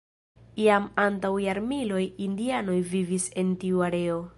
Jam antaŭ jarmiloj indianoj vivis en tiu areo.